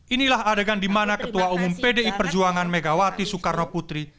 inilah adegan di mana ketua umum pdi perjuangan megawati soekarno putri